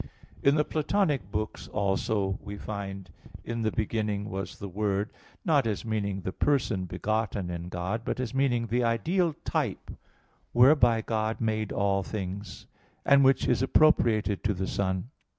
In the Platonic books also we find, "In the beginning was the word," not as meaning the Person begotten in God, but as meaning the ideal type whereby God made all things, and which is appropriated to the Son.